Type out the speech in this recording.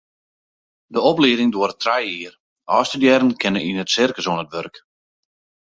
De oplieding duorret trije jier, ôfstudearren kinne yn it sirkus oan it wurk.